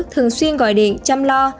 thường xuyên gọi điện chăm lo